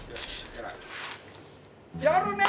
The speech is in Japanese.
やるね！